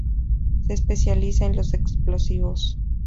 Se especializa en los explosivos.